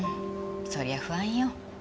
そりゃ不安よ。